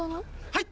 はい！